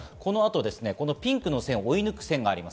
ピンクの線を追い抜く線があります。